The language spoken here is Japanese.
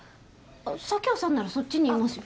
佐京さんならそっちにいますよ